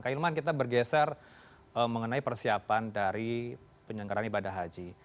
kak hilman kita bergeser mengenai persiapan dari penyelenggaran ibadah haji